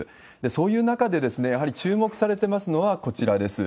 そういう中で、やはり注目されてますのは、こちらです。